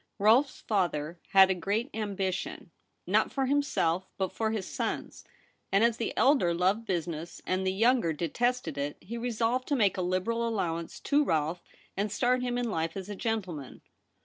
Rolfe's father had a great ambition, not for himself, but for his sons ; and, as the elder loved business and the younger detested it, he resolved to make a liberal allowance to Rolfe and start him in life as a gentleman.